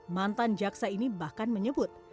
mantan jaksa ini bahkan menyebut